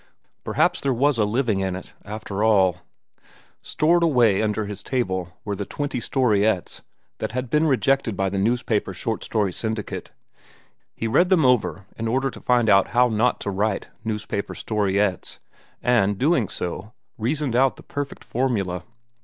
Perhaps there was a living in it, after all. Stored away under his table were the twenty storiettes which had been rejected by the newspaper short story syndicate. He read them over in order to find out how not to write newspaper storiettes, and so doing, reasoned out the perfect formula.